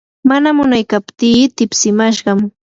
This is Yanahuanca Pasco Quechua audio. mana munaykaptii tipsimashqam.